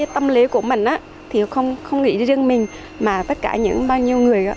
tâm lý của mình thì không nghĩ riêng mình mà tất cả những bao nhiêu người